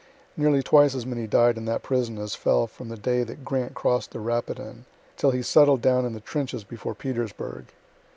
Nearly twice as many died in that prison as fell from the day that Grant cross'd the Rapidan, till he settled down in the trenches before Petersburg.